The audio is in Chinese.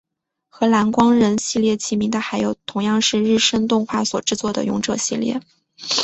和蓝光人系列齐名的还有同样是日升动画所制作的勇者系列。